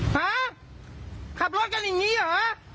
ฮะขับรถกันอย่างนี้เหรอ